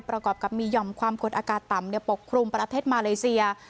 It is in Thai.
ประกอบกับมีห่อมความกดอากาศต่ำปกครุมประเทศมาเลเซีย